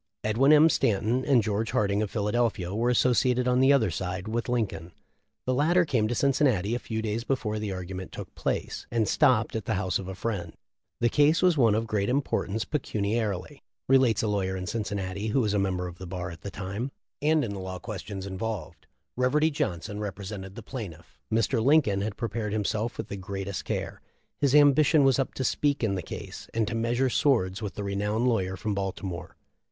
Edwin M. Stanton and George Harding, of Philadelphia, were associated on the other side with Lincoln. The latter came to Cin cinnati a fe before the argument took place, and topped at the house of a friend. "The ca e one of great importance pecuniarily," relates a in Cincinnati, who was a member of the bar at the time, "and in the law questions involved. Reverdy Johnson represented the plaintiff. Mr. Lincoln had prepared himself with the gre ' care ; his ambition was up to speak in the case and to measure swords with the renowned lawyer from Baltimore.